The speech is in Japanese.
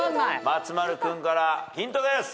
松丸君からヒントです。